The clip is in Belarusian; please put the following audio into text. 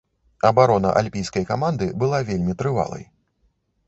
Абарона альпійскай каманды была вельмі трывалай.